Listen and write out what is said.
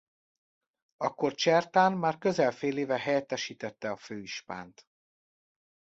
Akkor Csertán már közel féléve helyettesítette a főispánt.